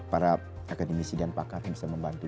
para akademisi dan pakar yang bisa membantu